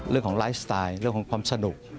เรื่องของไลฟ์สไตล์เรื่องของความสนุก